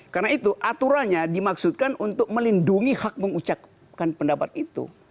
karena itu aturannya dimaksudkan untuk melindungi hak mengucapkan pendapat itu